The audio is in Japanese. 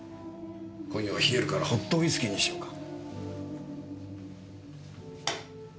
今夜は冷えるからホットウイスキーにしようか。